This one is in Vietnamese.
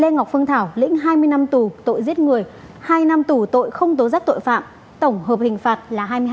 lê ngọc phương thảo lĩnh hai mươi năm tù tội giết người hai năm tù tội không tố giác tội phạm tổng hợp hình phạt là hai mươi hai